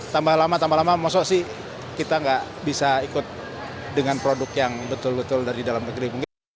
tambah lama tambah lama maksudnya sih kita nggak bisa ikut dengan produk yang betul betul dari dalam negeri